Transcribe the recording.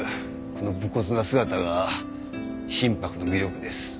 この無骨な姿が真柏の魅力です。